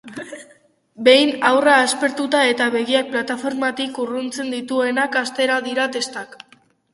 Behin haurra aspertu eta begiak plataformatik urruntzen dituenean hasten dira testak.